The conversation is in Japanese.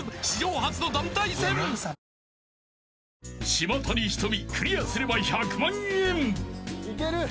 ［島谷ひとみクリアすれば１００万円］いける！